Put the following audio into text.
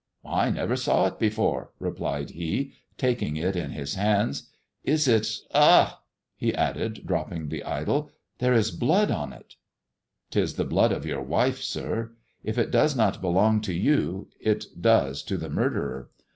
" I never saw it before," replied he, taking it in Lis hand. Is it — ah !" he added, dropping the idol, "there is blood on it !"" 'Tis the blood of your wife, sir ! If it does not belong to you, it does to the murderer.